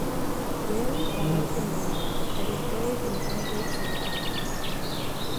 Waley died in London and is buried in Highgate Cemetery.